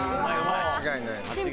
間違いない。